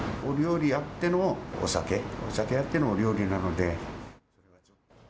お料理あってのお酒、お酒あってのお料理なので。